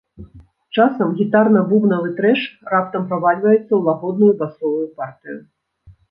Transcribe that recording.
Часам гітарна-бубнавы трэш раптам правальваецца ў лагодную басовую партыю.